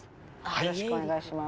よろしくお願いします。